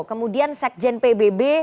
kemudian sekjen pbb